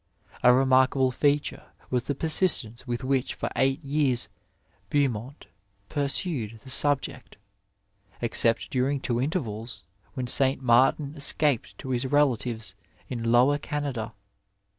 A remarkable feature was the persistence with which for eight years Beaumont pursued the subject, except during two intervals when St. Martin escaped to his relatives in Lower Canada.